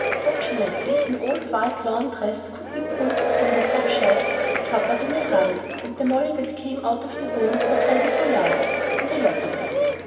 Fortunately, an old white lawn dress could be pulled from the top shelf of the cupboard in a hurry, and the Molly that came out of that room was ready for life and a lot of it.